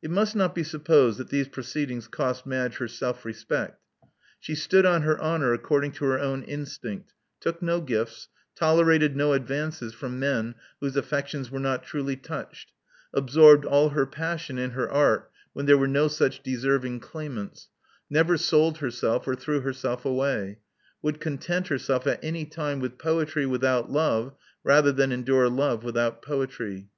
It must not be supposed that these proceedings cost Madge her self respect. She stood on her honor according to her own instinct; took no gifts; tolerated no advances from men whose affections were not truly touched; absorbed all her passion in her art when there were no such deserving claimants; never sold herself or threw herself away ; would content herself at any time with poetry without love rather than endure love without poetry.